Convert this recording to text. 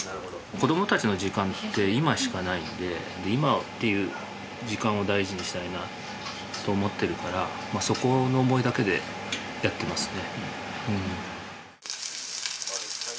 子どもたちの時間って今しかないんで今っていう時間を大事にしたいなと思ってるからそこの思いだけでやってますね。